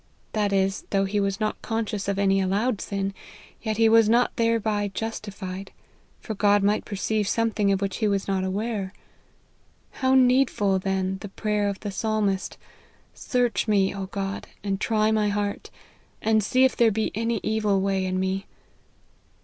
That is, though he was not conscious of any allowed sin, yet he was not thereby justified, for God might perceive some thing of which he was not aware. How needful then, the prayer of the Psalmist, ' Search me, O God, and try my heart, and see if there be any evil way in me.'